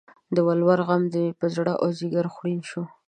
د ولور غم کې مې زړه او ځیګر خوړین شو